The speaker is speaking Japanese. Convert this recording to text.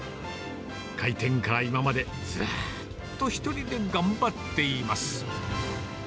開店から今まで、ずーっと１人で頑張っています。